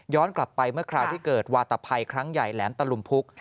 กลับไปเมื่อคราวที่เกิดวาตภัยครั้งใหญ่แหลมตะลุมพุก